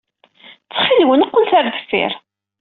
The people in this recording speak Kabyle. Ttxil-wen, qqlet ɣer deffir.